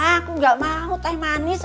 aku gak mau teh manis